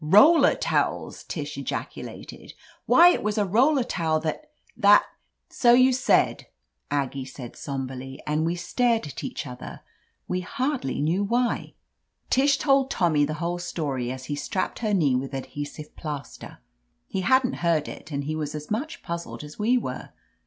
"Roller towels!" Tish ejaculated. "Why, it was a roller towel that — ^that —" "So you said," Aggie said somberly, and we stared at each other, we hardly knew why. 23 THE AMAZING ADVENTURES Tish told Tommy the whole story as he strapped her knee with adhesive plaster. He hadn't heard it, and he was as much puzzled as we were.